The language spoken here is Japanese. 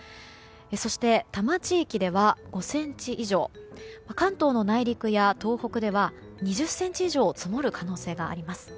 そして、多摩地域では５ｃｍ以上関東の内陸や東北では２０ｃｍ以上積もる可能性があります。